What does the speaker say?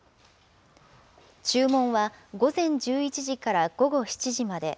注文は午前１１時から午後７時まで。